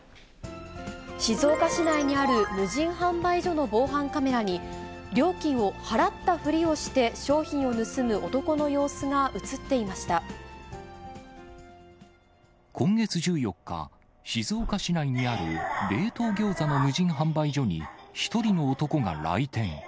静岡市内にある無人販売所の防犯カメラに、料金を払ったふりをして、商品を盗む男の様子が写今月１４日、静岡市内にある冷凍ギョーザの無人販売所に、１人の男が来店。